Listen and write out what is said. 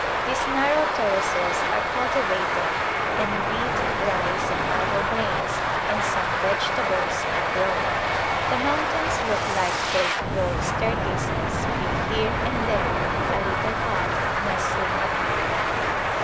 These narrow terraces are cultivated and wheat, rice and other grains and some vegetables are grown. The mountains look like great walled staircases with here and there a little hut nestling upon them.